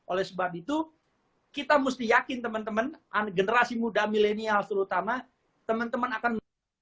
oleh sebab itu kita mesti yakin teman teman generasi muda milenial terutama teman teman akan